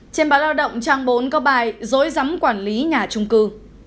trên báo lao động trang bốn có bài dối giám quản lý nhà trung cư